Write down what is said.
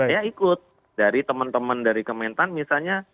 ya ikut dari teman teman dari kementerian pertanian misalnya